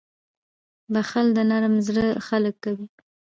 • بښل د نرم زړه خلک کوي.